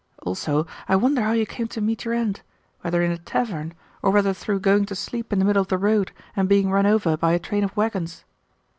Also, I wonder how you came to meet your end; whether in a tavern, or whether through going to sleep in the middle of the road and being run over by a train of waggons.